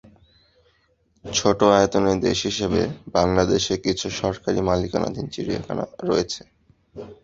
ছোট আয়তনের দেশ হিসেবে বাংলাদেশে কিছু সরকারি মালিকানাধীন চিড়িয়াখানা রয়েছে।